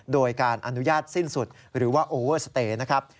โดยการอนุญาตสิ้นสุดหรือว่าโอเวอร์สเตย์นะครับ